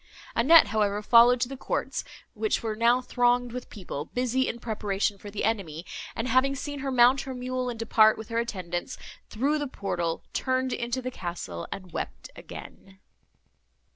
Annette, however, followed to the courts, which were now thronged with people, busy in preparation for the enemy; and, having seen her mount her mule and depart, with her attendants, through the portal, turned into the castle and wept again.